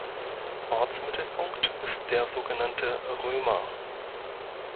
Ortsmittelpunkt ist der so genannte „Römer“.